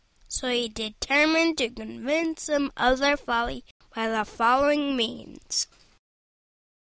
So he determined to convince them of their folly by the following means.